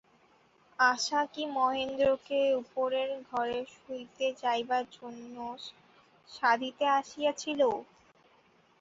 আশা কি মহেন্দ্রকে উপরের ঘরে শুইতে যাইবার জন্য সাধিতে আসিয়াছিল।